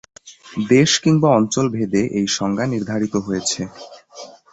দেশ কিংবা অঞ্চলভেদে এ সংজ্ঞা নির্ধারিত হয়েছে।